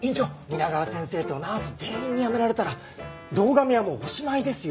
皆川先生とナース全員に辞められたら堂上はもうおしまいですよ。